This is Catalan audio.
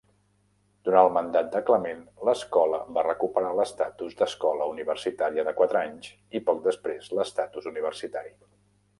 Durant el mandat de Clement, l'escola va recuperar l'estatus d'escola universitària de quatre anys i, poc després, l'estatus universitari.